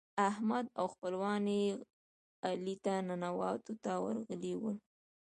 احمد او خپلوان يې علي ته ننواتو ته ورغلي ول.